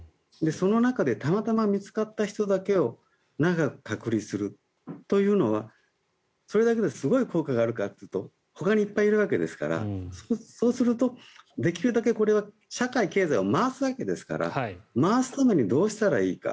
その中でたまたま見つかった人だけを長く隔離するというのはそれだけですごい効果があるかというとほかにいっぱいいるわけですからそうすると、できるだけ社会、経済を回すわけですから回すためにどうしたらいいか。